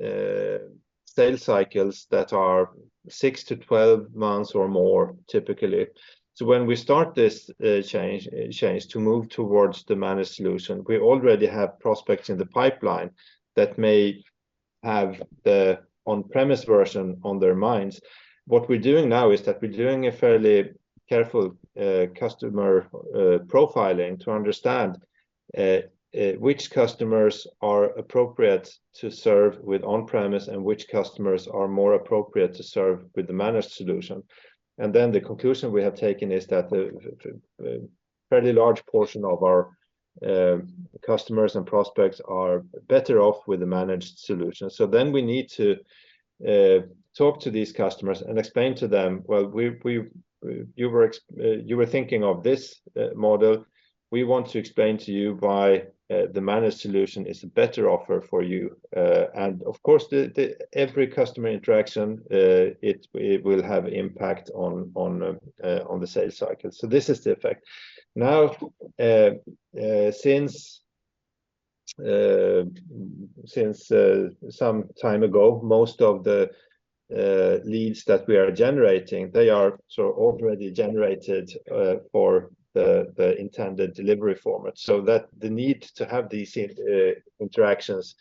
sales cycles that are six to 12 months or more, typically. When we start this change to move towards the managed solution, we already have prospects in the pipeline that may have the on-premises version on their minds. What we're doing now is that we're doing a fairly careful customer profiling to understand which customers are appropriate to serve with on-premises and which customers are more appropriate to serve with the managed solution. The conclusion we have taken is that the fairly large portion of our customers and prospects are better off with a managed solution. We need to talk to these customers and explain to them, "Well, we, you were thinking of this model. We want to explain to you why the managed solution is a better offer for you." Of course, every customer interaction, it will have impact on the sales cycle. This is the effect. Now, since since some time ago, most of the leads that we are generating, they are sort of already generated for the the intended delivery format. That the need to have these interactions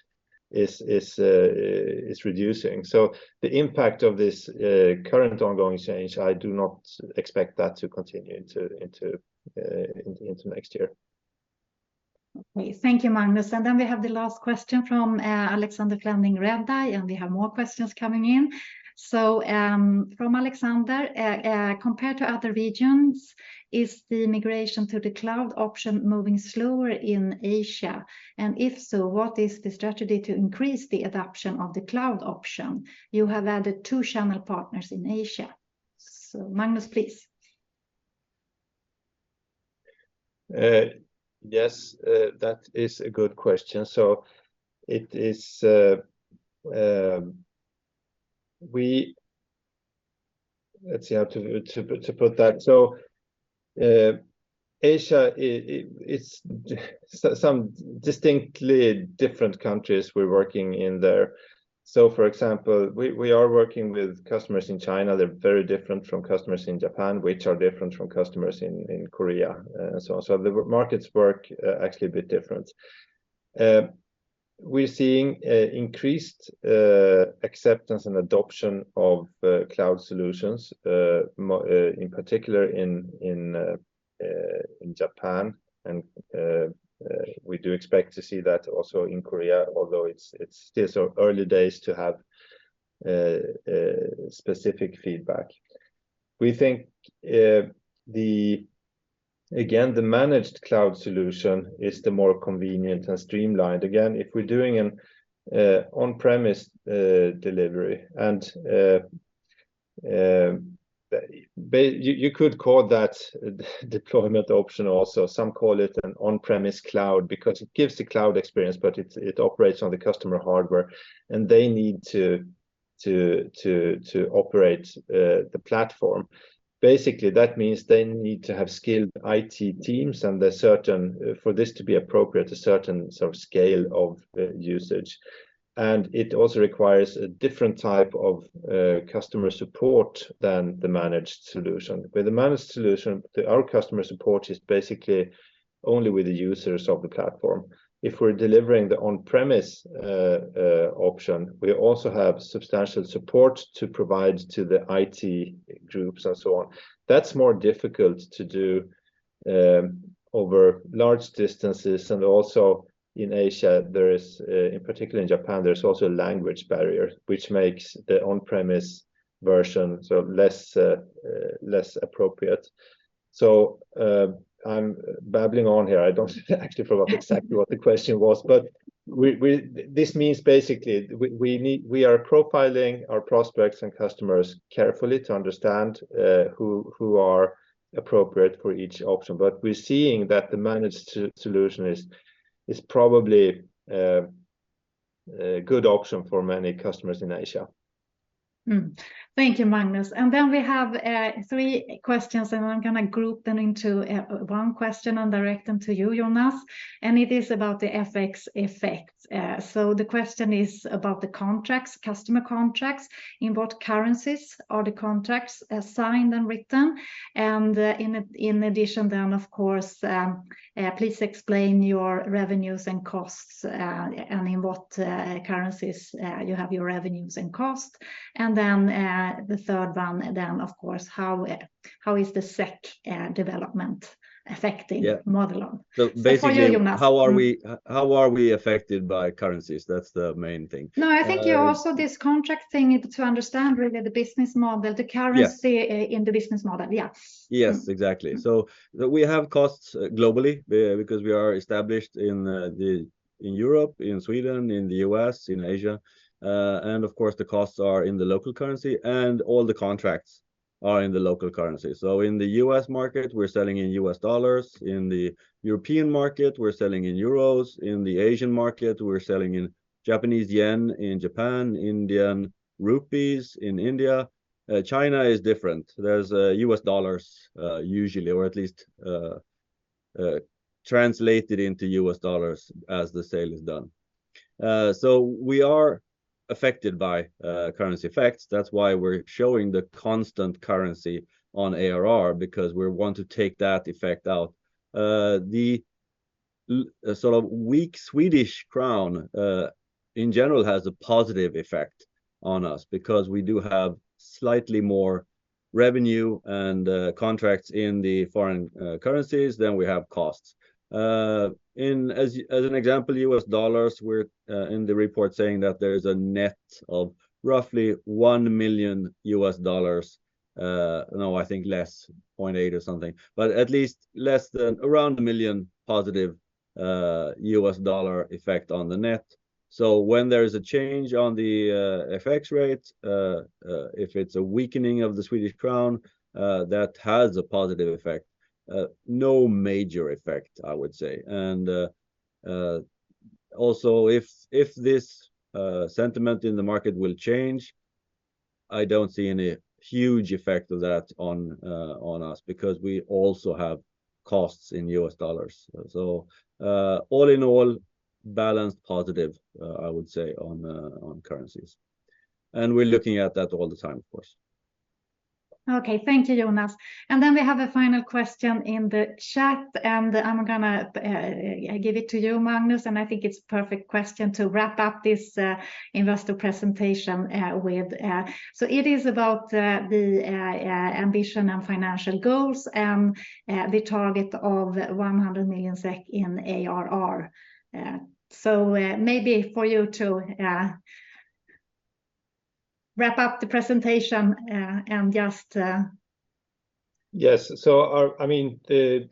is is is reducing. The impact of this current ongoing change, I do not expect that to continue into into into next year. Okay. Thank you, Magnus. We have the last question from Alexander Flening, Redeye, and we have more questions coming in. From Alexander: "Compared to other regions, is the migration to the cloud option moving slower in Asia? And if so, what is the strategy to increase the adoption of the cloud option? You have added two channel partners in Asia." Magnus, please. Yes, that is a good question. It is, let's see how to put that. Asia, it's some distinctly different countries we're working in there. For example, we are working with customers in China. They're very different from customers in Japan, which are different from customers in Korea, and so on. The markets work actually a bit different. We're seeing increased acceptance and adoption of cloud solutions, in particular in Japan. We do expect to see that also in Korea, although it's still so early days to have specific feedback. We think the, again, the managed cloud solution is the more convenient and streamlined. Again, if we're doing an on-premises delivery, and you, you could call that deployment option also. Some call it an on-premises cloud because it gives the cloud experience, but it's, it operates on the customer hardware, and they need to to, to, to operate the platform. Basically, that means they need to have skilled IT teams and a certain, for this to be appropriate, a certain sort of scale of usage. It also requires a different type of customer support than the managed solution. With the managed solution, our customer support is basically only with the users of the platform. If we're delivering the on-premises option, we also have substantial support to provide to the IT groups and so on. That's more difficult to do over large distances, and also in Asia, there is, in particular in Japan, there's also a language barrier, which makes the on-premises version sort of less less appropriate. I'm babbling on here. I don't actually forgot exactly what the question was, but we, we. This means basically we, we need we are profiling our prospects and customers carefully to understand who, who are appropriate for each option. We're seeing that the managed solution is, is probably a good option for many customers in Asia. Thank you, Magnus. We have three questions, and I'm gonna group them into one question and direct them to you, Jonas, and it is about the FX effects. The question is about the contracts, customer contracts. In what currencies are the contracts signed and written? In addition, then, of course, please explain your revenues and costs, and in what currencies you have your revenues and costs. The third one, then, of course, how is the SEK development affecting- Yeah Modelon? So basically- For you, Jonas.... how are we, how are we affected by currencies? That's the main thing. No, I think, yeah, also this contract thing is to understand really the business model, the currency-. Yeah... in the business model. Yeah. Yes, exactly. We have costs globally because we are established in Europe, in Sweden, in the U.S., in Asia. Of course, the costs are in the local currency, and all the contracts are in the local currency. In the U.S. market, we're selling in U.S. dollars. In the European market, we're selling in euros. In the Asian market, we're selling in Japanese yen, in Japan, Indian rupees, in India. China is different. There's U.S. dollars, usually, or at least translated into U.S. dollars as the sale is done. We are affected by currency effects. That's why we're showing the constant currency on ARR, because we want to take that effect out. The sort of weak Swedish crown in general has a positive effect on us because we do have slightly more revenue and contracts in the foreign currencies than we have costs. As an example, U.S. dollars, we're in the report saying that there is a net of roughly $1 million, no, I think less, 0.8 or something, but at least less than around $1 million positive U.S. dollar effect on the net. So when there is a change on the FX rates, if it's a weakening of the Swedish crown, that has a positive effect, no major effect, I would say. Also, if this sentiment in the market will change, I don't see any huge effect of that on us, because we also have costs in U.S. dollars. All in all, balanced, positive, I would say, on currencies, and we're looking at that all the time, of course. Okay, thank you, Jonas. We have a final question in the chat, and I'm gonna give it to you, Magnus, and I think it's a perfect question to wrap up this investor presentation with. It is about the ambition and financial goals and the target of SEK 100 million in ARR. Maybe for you to wrap up the presentation and just. Yes. I mean, the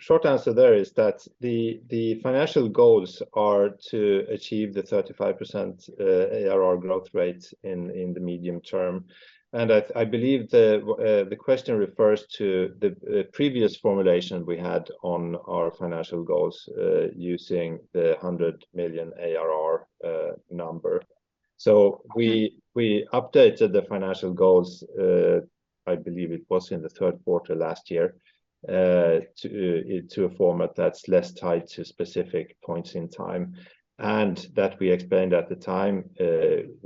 short answer there is that the, the financial goals are to achieve the 35% ARR growth rate in, in the medium term. I, I believe the, the question refers to the, the previous formulation we had on our financial goals, using the 100 million ARR number. We, we updated the financial goals, I believe it was in the third quarter last year, to, to a format that's less tied to specific points in time. That we explained at the time,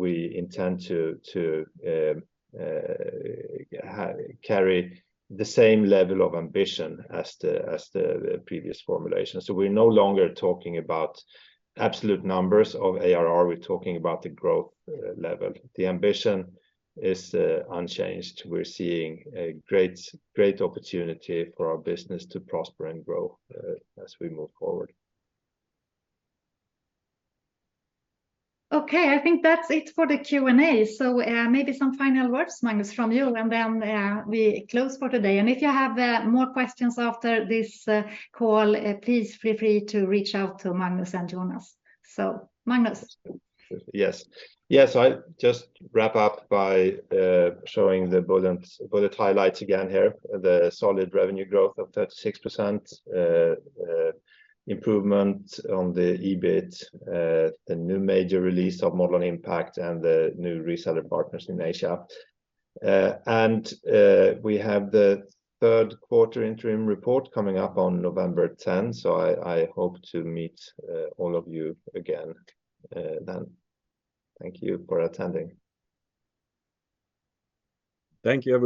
we intend to, to, carry the same level of ambition as the, as the previous formulation. We're no longer talking about absolute numbers of ARR, we're talking about the growth, level. The ambition is, unchanged. We're seeing a great, great opportunity for our business to prosper and grow, as we move forward. Okay, I think that's it for the Q&A. Maybe some final words, Magnus, from you, and then, we close for today. If you have, more questions after this, call, please feel free to reach out to Magnus and Jonas. Magnus? Yes. Yes, I just wrap up by showing the bullet, bullet highlights again here. The solid revenue growth of 36%, improvement on the EBIT, the new major release of Modelon Impact, and the new reseller partners in Asia. We have the third quarter interim report coming up on November 10th, so I, I hope to meet all of you again then. Thank you for attending. Thank you, everyone.